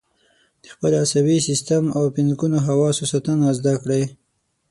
د خپل عصبي سیستم او پنځه ګونو حواسو ساتنه زده کړئ.